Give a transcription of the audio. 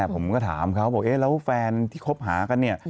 ผมก็ถามเขาแล้วแฟนที่คบหากัน